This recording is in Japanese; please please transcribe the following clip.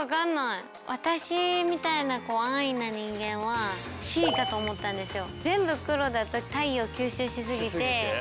私みたいな安易な人間はＣかと思ったんですよ。